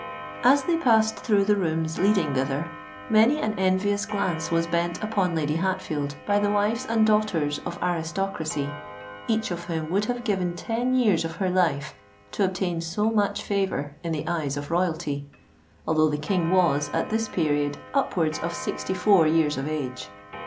As they passed through the rooms leading thither, many an envious glance was bent upon Lady Hatfield by the wives and daughters of aristocracy, each of whom would have given ten years of her life to obtain so much favour in the eyes of Royalty; although the King was, at this period, upwards of sixty four years of age.